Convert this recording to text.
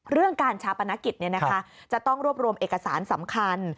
เรื่องการชาปนกิจจะต้องรวบรวมเอกสารสำคัญ